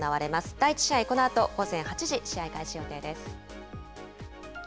第１試合、このあと午前８時、試合開始予定です。